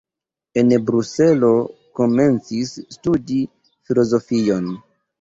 En Bruselo komencis studi filozofion.